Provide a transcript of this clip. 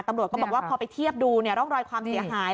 ตำรวจก็บอกว่าพอไปเทียบดูร่องรอยความเสียหาย